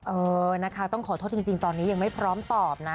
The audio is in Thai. เออนะคะต้องขอโทษจริงตอนนี้ยังไม่พร้อมตอบนะ